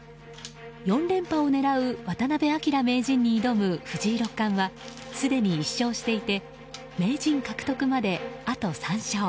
４連覇を狙う渡辺明名人に挑む藤井六冠はすでに１勝していて名人獲得まであと３勝。